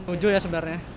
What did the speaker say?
setuju ya sebenarnya